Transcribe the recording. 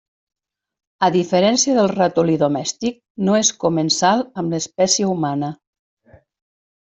A diferència del ratolí domèstic, no és comensal amb l'espècie humana.